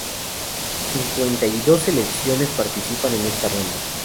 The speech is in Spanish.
Cincuenta y dos selecciones participarán en esta ronda.